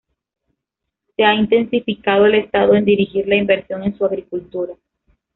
Se ha intensificado el estado en dirigir la inversión en su agricultura.